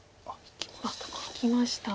引きました。